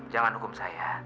jangan hukum saya